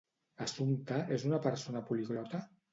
Assumpta és una persona poliglota?